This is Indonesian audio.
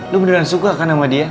lu beneran suka kan sama dia